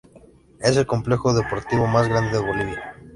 Es el complejo deportivo más grande de Bolivia.